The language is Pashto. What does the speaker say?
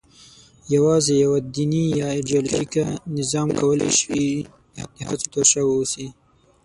یواځې یوه دیني یا ایدیالوژیک نظام کولای شوای د هڅو تر شا واوسي.